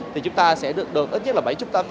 thì chúng ta sẽ được được ít nhất là bảy trăm linh